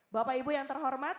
bapak ibu yang terhormat